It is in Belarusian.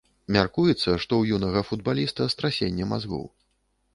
Мяркуецца, што ў юнага футбаліста страсенне мазгоў.